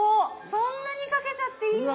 そんなにかけちゃっていいの？